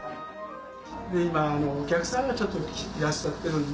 今お客さんがいらっしゃってるんで。